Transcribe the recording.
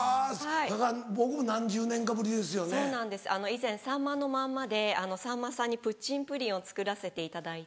以前『さんまのまんま』でさんまさんにプッチンプリンを作らせていただいて。